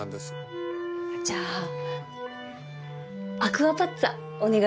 じゃあアクアパッツァお願いします。